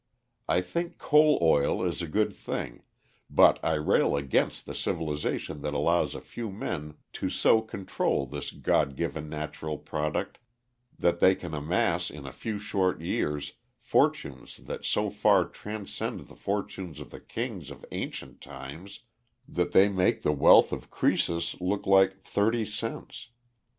I think coal oil a good thing, but I rail against the civilization that allows a few men to so control this God given natural product that they can amass in a few short years fortunes that so far transcend the fortunes of the kings of ancient times that they make the wealth of Crœsus look like "thirty cents."